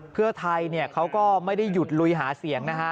เพื่อไทยเขาก็ไม่ได้หยุดลุยหาเสียงนะฮะ